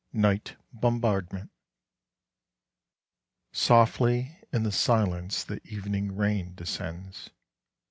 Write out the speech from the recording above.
NIGHT BOMBARDMENT Softly in the silence the evening rain descends....